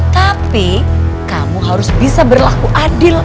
tapi kamu harus bisa berlaku adil